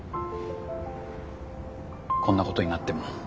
こんなことになっても？